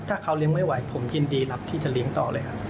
ถ้าเขาเลี้ยงไม่ไหวผมยินดีรับที่จะเลี้ยงต่อเลยครับ